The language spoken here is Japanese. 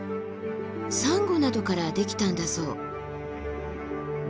サンゴなどからできたんだそう。